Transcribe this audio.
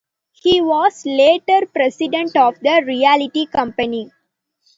He was later president of the Realty Company.